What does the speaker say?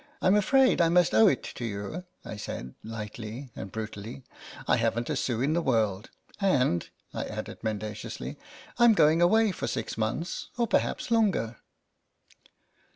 Tm afraid I must owe it to you," I said lightly and brutally. " I haven't a sou in the world," and I added mendaciously, " Tm going away for six months or perhaps longer."